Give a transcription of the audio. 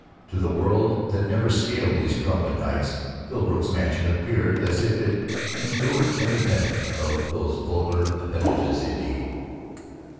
To the world that never scaled these crumbling heights, Philbrook's mansion appeared as if it endured independent of those vulgar appendages indeed.